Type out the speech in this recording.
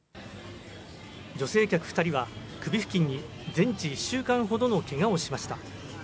女性客２人は首付近に全治１週間ほどのけがをしました。